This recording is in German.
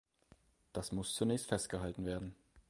Das muss zunächst festgehalten werden.